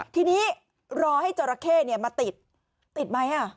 ทีนี้รอให้จราเข้เนี่ยมาติดติดไหมอ่ะ